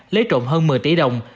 lấy trộm hơn một mươi tỷ đồng